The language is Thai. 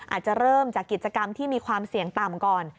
อาจจะเริ่มจากกิจกรรมที่มีความเสี่ยงต่ำก่อน